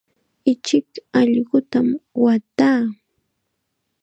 Ichik allqutam waataa.